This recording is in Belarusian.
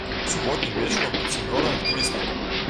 Суботнім вечарам тут сямёра актывістаў.